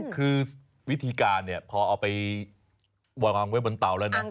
คือวิธีการเนี่ยพอเอาไปวางไว้บนเตาแล้วนะ